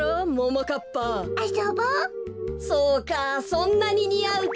そうかそんなににあうか。